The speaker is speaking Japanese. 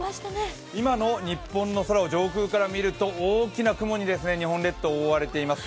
今の日本の空を上空から見ると、大きな雲に日本列島覆われています。